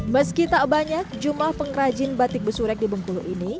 meski tak banyak jumlah pengrajin batik besurek di bengkulu ini